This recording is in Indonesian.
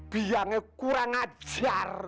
biar kurang ajar